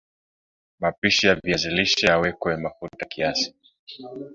mapishi ya viazi lishe yawekwe mafuta kiasi